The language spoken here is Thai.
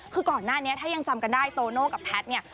คือก่อนหน้านี้ถ้ายังจำกันได้โตโน่กับแพทย์เนี่ย